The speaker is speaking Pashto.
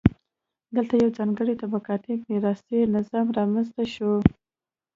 دلته یو ځانګړی طبقاتي میراثي نظام رامنځته شو.